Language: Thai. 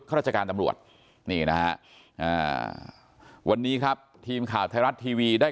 ราชการตำรวจนี่นะฮะวันนี้ครับทีมข่าวไทยรัฐทีวีได้